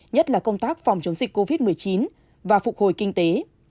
nhất là công tác phòng chống dịch covid một mươi chín và phục hồi kinh tế